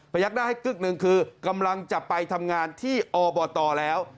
ยักหน้าให้กึ๊กหนึ่งคือกำลังจะไปทำงานที่อบตแล้ว